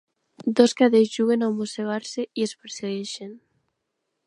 Dos cadells juguen a mossegar-se i es persegueixen.